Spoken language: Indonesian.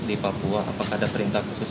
di papua apakah ada perintah khusus